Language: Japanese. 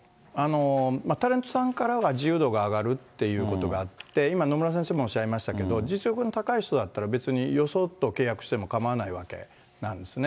タレントさんからは自由度が上がるということがあって、今、野村先生もおっしゃいましたけれども、実力の高い人だったら、別によそと契約しても構わないわけなんですね。